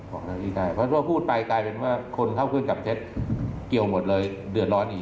เพราะว่าพูดไปกลายเป็นว่าคนเข้าเครื่องจำเท็จเกี่ยวหมดเลยเดือดร้อนอีก